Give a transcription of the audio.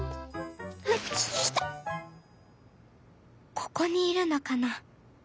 「ここにいるのかな？」。